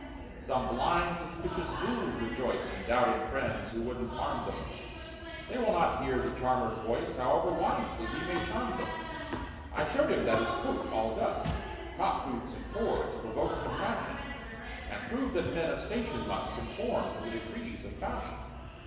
Some blind, suspicious fools rejoice In doubting friends who wouldn't harm them; They will not hear the charmer's voice, However wisely he may charm them! I showed him that his coat, all dust, Top boots and cords provoked compassion, And proved that men of station must Conform to the decrees of fashion.